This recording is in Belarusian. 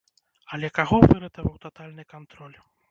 Але каго выратаваў татальны кантроль?